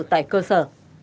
tại cơ sở